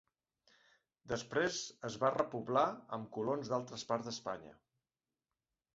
Després es va repoblar amb colons d'altres parts d'Espanya.